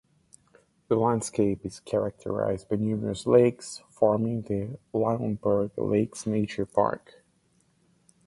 The landscape is characterised by numerous lakes, forming the Lauenburg Lakes Nature Park.